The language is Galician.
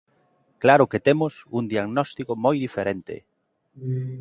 ¡Claro que temos un diagnóstico moi diferente!